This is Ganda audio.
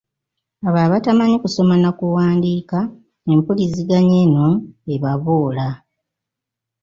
Abo abatamanyi kusoma na kuwandiika empuliziganya eno ebaboola .